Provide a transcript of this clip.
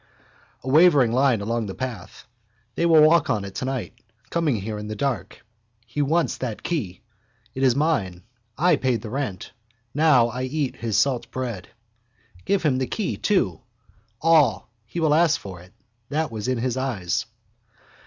A wavering line along the path. They will walk on it tonight, coming here in the dark. He wants that key. It is mine. I paid the rent. Now I eat his salt bread. Give him the key too. All. He will ask for it. That was in his eyes.